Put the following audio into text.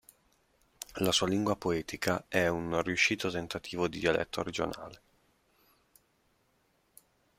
La sua lingua poetica è un riuscito tentativo di dialetto regionale.